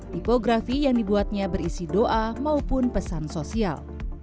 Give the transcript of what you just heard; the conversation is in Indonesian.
tipografi yang dibuatnya berisi doa maupun pesan sosial